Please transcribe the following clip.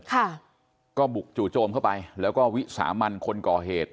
ค่ะก็บุกจู่โจมเข้าไปแล้วก็วิสามันคนก่อเหตุ